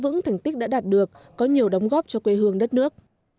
những thành tích đã đạt được có nhiều đóng góp cho quê hương đất nước